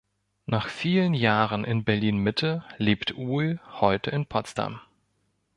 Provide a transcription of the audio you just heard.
Nach vielen Jahren in Berlin-Mitte lebt Uhl heute in Potsdam.